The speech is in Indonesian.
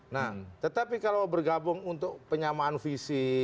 nah tetapi kalau bergabung untuk penyamaan visi